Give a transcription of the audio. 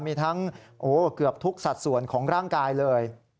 มีทั้งเกือบทุกสัดส่วนของร่างกายเลย